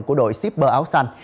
của đội shipper áo xanh